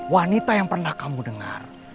wanita yang pernah kamu dengar